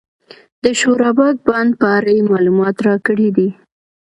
د شورابک بند په اړه یې معلومات راکړي دي.